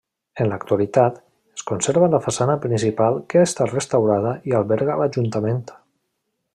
En l'actualitat, es conserva la façana principal que ha estat restaurada i alberga l'ajuntament.